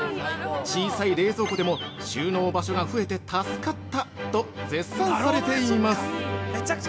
「小さい冷蔵庫でも収納場所が増えて助かった！」と絶賛されています。